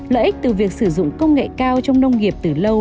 lợi ích từ việc sử dụng công nghệ cao trong nông nghiệp từ lâu